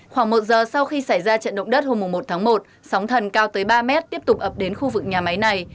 khoảng một giờ sau khi xảy ra trận động đất hôm một tháng một sóng thần cao tới ba mét tiếp tục ập đến khu vực nhà máy này